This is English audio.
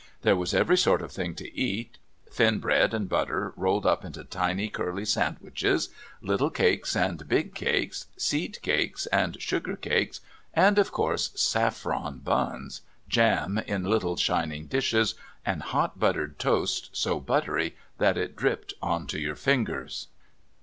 There was every sort of thing to eat thin bread and butter rolled up into little curly sandwiches, little cakes and big cakes, seed cakes and sugar cakes, and, of course, saffron buns, jam in little shining dishes, and hot buttered toast so buttery that, it dripped on to your fingers.